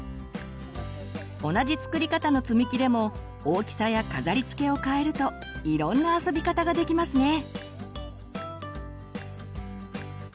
同じ作り方のつみきでも大きさや飾りつけをかえるといろんな遊び方ができますね！